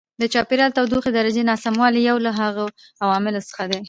د چاپېریال د تودوخې درجې ناسموالی یو له هغو عواملو څخه دی.